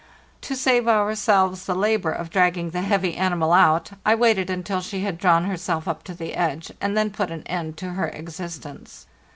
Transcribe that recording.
'To save ourselves the labor of dragging the heavy animal out, I waited until she had drawn herself up on to the edge, and then put an end to her existence.